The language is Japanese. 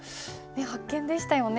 発見でしたよね。